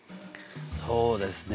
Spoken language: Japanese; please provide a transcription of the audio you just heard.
そうですね